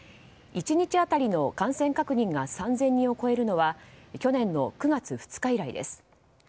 １日当たりの感染確認が３０００人を超えるのは去年の９月２日以来です。